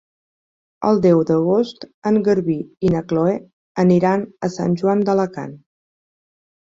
El deu d'agost en Garbí i na Chloé aniran a Sant Joan d'Alacant.